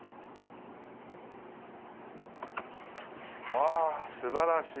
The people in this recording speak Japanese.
わあ素晴らしい。